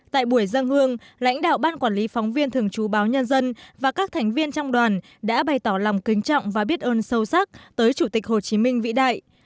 tại buổi dân hương lãnh đạo ban quản lý phóng viên thường trú báo nhân dân và các thành viên trong đoàn đã bày tỏ lòng kính trọng và biết ơn sâu sắc tới chủ tịch hồ chí minh vĩ đại